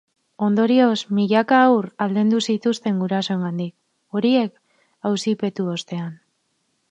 Ondorioz, milaka haur aldendu zituzten gurasoengandik, horiek auzipetu ostean.